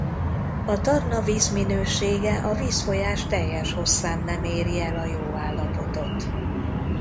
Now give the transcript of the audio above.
A Tarna vízminősége a vízfolyás teljes hosszán nem éri el a jó állapotot.